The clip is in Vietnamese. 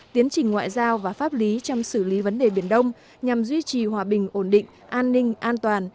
tiến trình ngoại giao và pháp lý trong xử lý vấn đề biển đông nhằm duy trì hòa bình ổn định an ninh an toàn